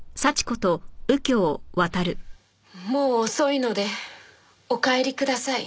もう遅いのでお帰りください。